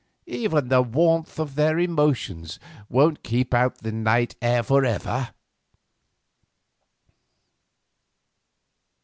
Even the warmth of their emotions won't keep out the night air for ever."